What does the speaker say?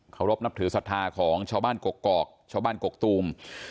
รบนับถือศรัทธาของชาวบ้านกกอกชาวบ้านกกตูม